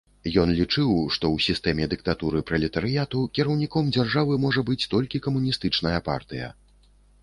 Ён лічыў, што ў сістэме дыктатуры пралетарыяту кіраўніком дзяржавы можа быць толькі камуністычная партыя.